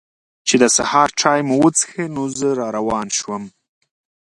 چې د سهار چای مو وڅښه نو زه را روان شوم.